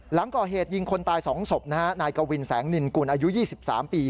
หลังก่อเหตุยิงคนตาย๒ศพนะฮะนายกวินแสงนินกุลอายุ๒๓ปี